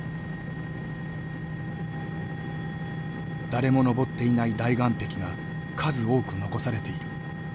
誰も登っていない大岩壁が数多く残されている。